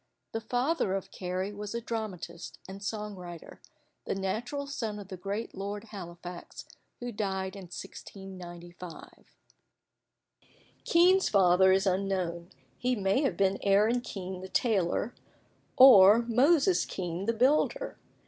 The father of Carey was a dramatist and song writer, the natural son of the great Lord Halifax, who died in 1695. Kean's father is unknown: he may have been Aaron Kean the tailor, or Moses Kean the builder.